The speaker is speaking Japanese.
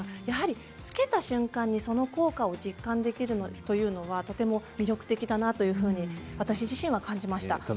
やはり着けた瞬間にその効果が実感できるのは魅力的だなと私自身は感じました。